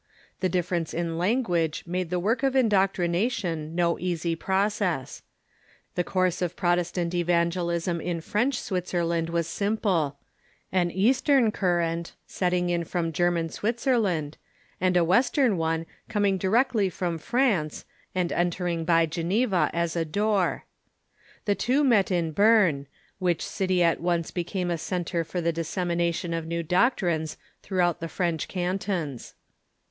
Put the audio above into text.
The difference in Protestant language made the work of indoctrination no easy Currents pi o^ ggg Tj^g course of Protestant evangelism in French Switzerland was simple — an eastern current setting in from German Switzerland, and a western one coming directly from France, and entering by Geneva as a door. The two met in Berne, which city at once became a centre for the dis 238 THE REFORMATION semination of new doctrines throughout the French cantons.